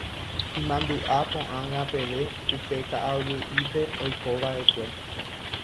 Imandu'a ko'ág̃a peve upe ka'aguy'ípe oikova'ekue.